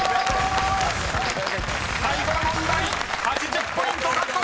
［最後の問題８０ポイント獲得！］